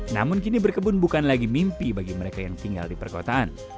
namun kini berkebun bukan lagi mimpi bagi mereka yang tinggal di perkotaan